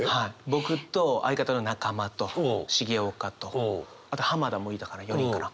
僕と相方の中間と重岡とあと田もいたかな４人かな。